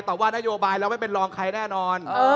ต่อว่านโยบายเราไม่เป็นรองใครแน่นอน